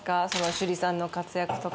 趣里さんの活躍とか。